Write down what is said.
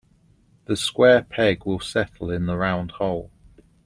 The square peg will settle in the round hole.